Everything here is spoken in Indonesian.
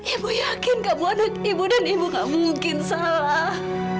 ibu yakin kamu anak ibu dan ibu gak mungkin salah